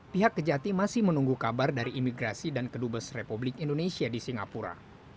pihak kejati masih menunggu kabar dari imigrasi dan kedubes republik indonesia di singapura